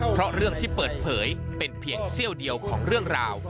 เพราะเรื่องที่เปิดเผยเป็นเพียงเสี้ยวเดียวของเรื่องราว